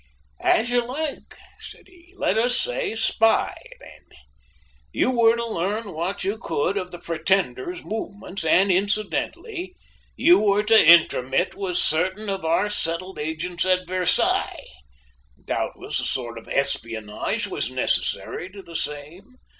"As you like," said he. "Let us say spy, then. You were to learn what you could of the Pretender's movements, and incidentally you were to intromit with certain of our settled agents at Versailles. Doubtless a sort of espionage was necessary to the same.